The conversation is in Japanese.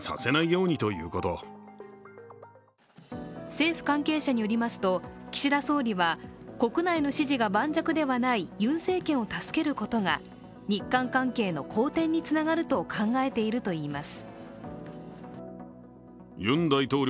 政府関係者によりますと岸田総理は、国内の支持が盤石ではないユン政権を助けることが日韓関係の好転につながると考えているといいます。